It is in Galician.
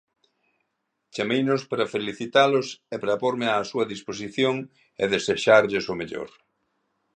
Chameinos para felicitalos e para pórme á súa disposición e desexarlles o mellor.